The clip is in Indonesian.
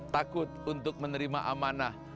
takut untuk menerima amanah